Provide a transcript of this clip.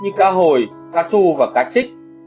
như cá hồi cá thu và cá chích